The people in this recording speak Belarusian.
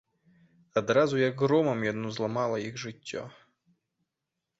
Адразу, як громам, яно зламала іх жыццё.